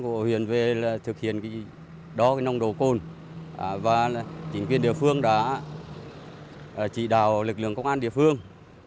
hội huyện về thực hiện đo nồng độ cồn và chính quyền địa phương đã trị đào lực lượng công an địa phương